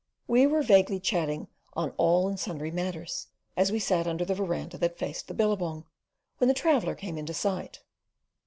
We were vaguely chatting on all and sundry matters, as we sat under the verandah that faced the billabong, when the traveller came into sight.